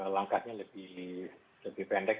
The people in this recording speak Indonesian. langkahnya lebih pendek